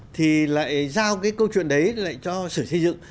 thì lại giao cái câu chuyện đấy lại cho sở xây dựng